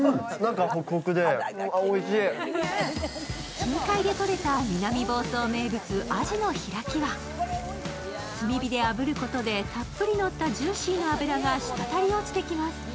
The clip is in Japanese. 近海でとれた南房総名物アジの開きは炭火であぶることでたっぷりのったジューシーな脂がしたたり落ちてきます。